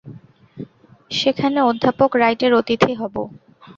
সেখানে অধ্যাপক রাইটের অতিথি হব।